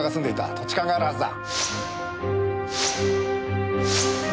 土地勘があるはずだ。